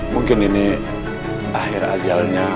mungkin ini akhir ajalnya